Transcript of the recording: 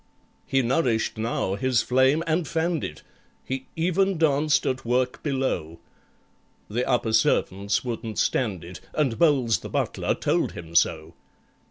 He nourished now his flame and fanned it, He even danced at work below. The upper servants wouldn't stand it, And BOWLES the butler told him so.